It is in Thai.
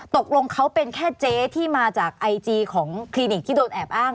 ตกลงเขาเป็นแค่เจ๊ที่มาจากไอจีของคลินิกที่โดนแอบอ้าง